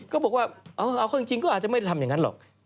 ก็บอกว่าเอาเข้าจริงก็อาจจะไม่ได้ทำอย่างนั้นหรอก